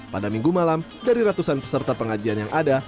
pada minggu malam dari ratusan peserta pengajian yang ada